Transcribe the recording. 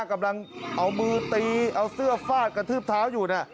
กำลังเอามือตีเอาเสื้อฟาดกระทืบเท้าอยู่